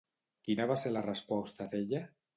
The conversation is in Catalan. Quina va ser la resposta d'ella?